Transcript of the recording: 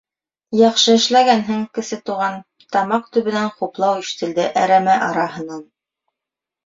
— Яҡшы эшләгәнһең, Кесе Туған! — тамаҡ төбөнән хуплау ишетелде әрәмә араһынан.